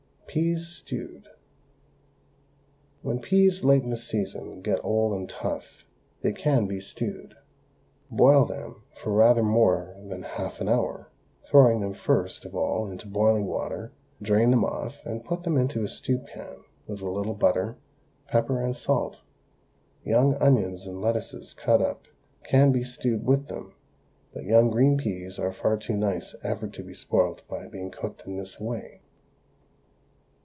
PEAS, STEWED. When peas late in the season get old and tough, they can be stewed. Boil them for rather more than half an hour, throwing them first of all into boiling water; drain them off, and put them into a stew pan with a little butter, pepper, and salt. Young onions and lettuces cut up can be stewed with them, but young green peas are far too nice ever to be spoilt by being cooked in this way.